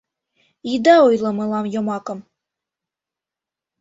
Ида ойло мылам йомакым!